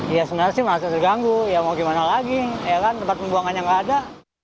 ya sebenarnya sih masih terganggu ya mau gimana lagi tempat pembuangannya nggak ada